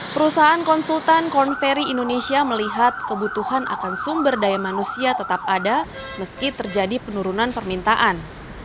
perusahaan konsultan corn ferry indonesia melihat kebutuhan akan sumber daya manusia tetap ada meski terjadi penurunan permintaan